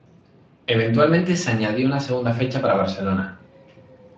Eventualmente, se añadió una segunda fecha para Barcelona.